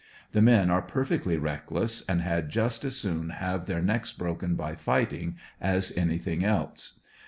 The men are perfectly reckless, and i^ad just as soon have their necks broken by fighting as anything else.